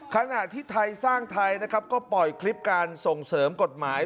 ขณะที่ไทยสร้างไทยนะครับก็ปล่อยคลิปการส่งเสริมกฎหมาย